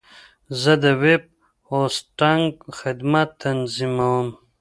زه د ویب هوسټنګ خدمت تنظیموم.